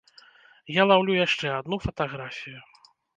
Я лаўлю яшчэ адну фатаграфію.